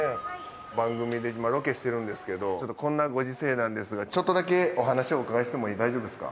番組で今ロケしてるんですけどこんなご時勢なんですがちょっとだけお話お伺いしても大丈夫ですか？